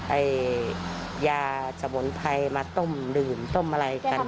ไอ้ยาสมุนไพรมาต้มดื่มต้มอะไรกัน